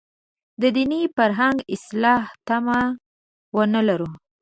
د دیني فرهنګ اصلاح تمه ونه لرو.